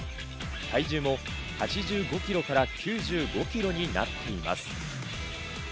体重も８５キロから９５キロになっています。